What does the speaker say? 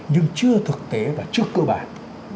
nhưng chưa thực tế và chưa cơ bản